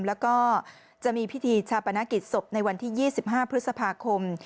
แล้วก็จะมีพิธีชาปนกิจศพในวันที่๒๕พฤษภาคม